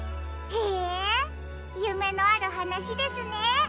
へえゆめのあるはなしですね。